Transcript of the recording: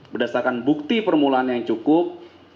berdasarkan bukti permulaan yang cukup